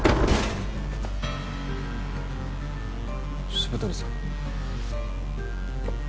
渋谷さん？